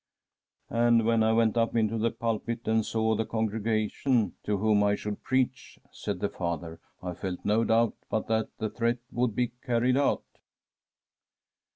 ' And when I went up into the pulpit and saw the congregation to whom I should preach,' said the Father, ' I felt no doubt but that the threat would be carried out.'